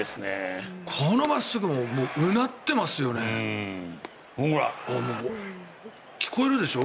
この真っすぐうなってますよね。聞こえるでしょ？